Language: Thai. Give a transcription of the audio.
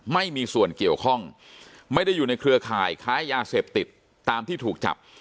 ไม่มีส่วนเกี่ยวข้องไม่ได้อยู่ในเครือข่ายค้ายาเสพติดตามที่ถูกจับ